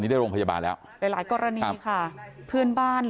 จะปรึกษาคุณหมอเขาก็ก็ให้ความแนะนำดี